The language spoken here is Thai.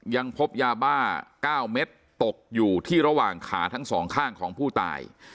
ยังพบยาบ้า๙เม็ดตกอยู่ที่ระหว่างขาทั้งสองข้างของผู้ตาย